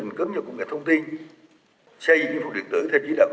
năm cha ba mẹ